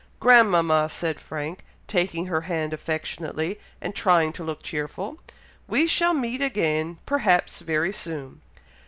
"Grandmama!" said Frank, taking her hand affectionately, and trying to look cheerful; "we shall meet again; perhaps very soon!"